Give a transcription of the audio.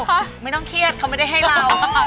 ไม่ต้องเครียดเขาไม่ได้ให้เรา